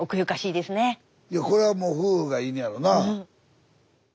いやこれはもう夫婦がいいねんやろな。